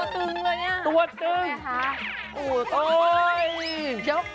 ตัวตึงเลยแห่ง